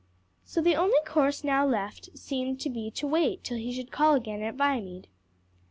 So the only course now left seemed to be to wait till he should call again at Viamede.